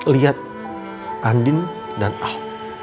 lihat andin dan al